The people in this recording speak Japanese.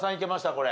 これ。